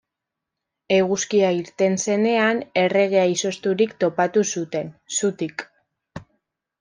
Eguzkia irten zenean, erregea izozturik topatu zuten, zutik.